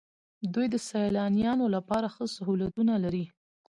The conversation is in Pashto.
دوی د سیلانیانو لپاره ښه سهولتونه لري.